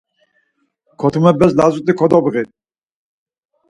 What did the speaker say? Kotumepes lazut̆i kodubği.